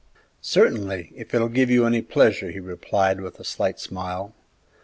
"Certainly, if it will give you any pleasure," he replied, with a slight smile.